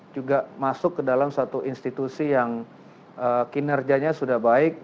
juga masuk ke dalam satu institusi yang kinerjanya sudah baik